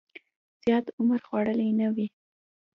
زیات عمر خوړلی نه وي.